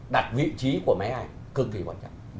đặt vị trí của máy ảnh cực kỳ quan trọng